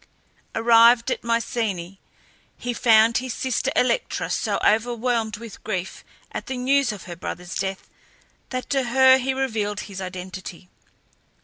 Arrived at Mycenae, he found his sister Electra so overwhelmed with grief at the news of her brother's death that to her he revealed his identity.